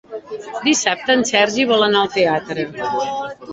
Dissabte en Sergi vol anar al teatre.